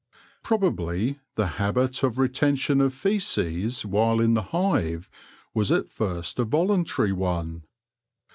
Probably the habit of retention of faeces while in the hive was at first a voluntary one.